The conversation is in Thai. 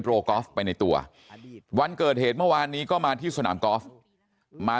กอล์ฟไปในตัววันเกิดเหตุเมื่อวานนี้ก็มาที่สนามกอล์ฟมา